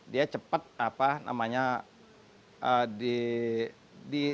dia cepat apa namanya di